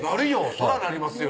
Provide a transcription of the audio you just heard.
そらなりますよ